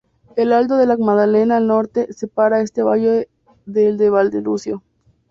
El alto de la Magdalena, al norte, separa este valle del de Valdelucio.